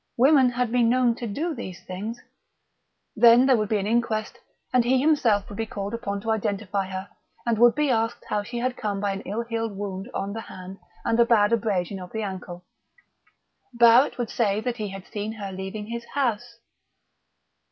Women had been known to do those things.... Then there would be an inquest, and he himself would be called upon to identify her, and would be asked how she had come by an ill healed wound on the hand and a bad abrasion of the ankle. Barrett would say that he had seen her leaving his house....